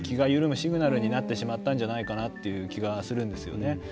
シグナルになってしまったんじゃないかなって気がするんですよね。